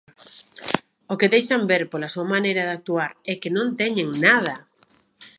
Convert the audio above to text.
O que deixan ver, pola súa maneira de actuar, é que non teñen ¡nada!